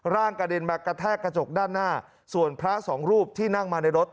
กระเด็นมากระแทกกระจกด้านหน้าส่วนพระสองรูปที่นั่งมาในรถ